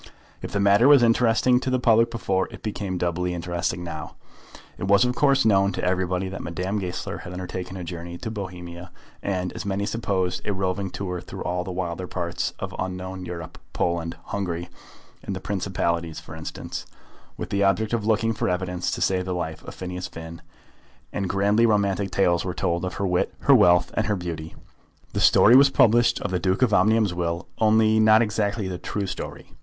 If the matter was interesting to the public before, it became doubly interesting now. It was of course known to everybody that Madame Goesler had undertaken a journey to Bohemia, and, as many supposed, a roving tour through all the wilder parts of unknown Europe, Poland, Hungary, and the Principalities for instance, with the object of looking for evidence to save the life of Phineas Finn; and grandly romantic tales were told of her wit, her wealth, and her beauty. The story was published of the Duke of Omnium's will, only not exactly the true story.